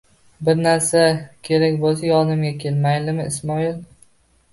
Bir narsa kerak bo'lsa, yonimga kel, maylimi, Ismoil.